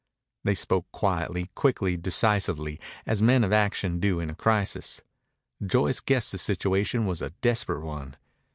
They spoke quietly, quickly, decisively, as men of action do in a crisis. Joyce guessed the situation was a desperate one.